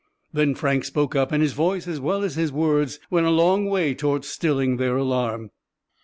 Then Frank spoke up, and his voice, as well as his words, went a long way toward stilling their alarm.